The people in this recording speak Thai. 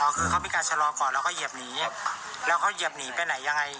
เอาคือเขามีการขัดชะลาก่อนเราก็เหยียบหนีแล้วเขาเกาะเหยียบหนีไปไหนยังไง